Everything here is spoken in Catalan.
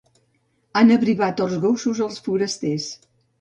Han abrivat els gossos als forasters.